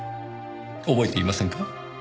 覚えていませんか？